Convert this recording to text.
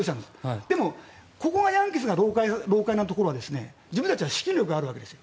でも、ヤンキースが老獪なところは自分たちは資金力があるわけです。